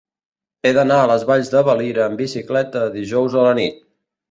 He d'anar a les Valls de Valira amb bicicleta dijous a la nit.